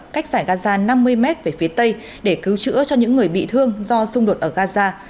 cách giải gaza năm mươi mét về phía tây để cứu chữa cho những người bị thương do xung đột ở gaza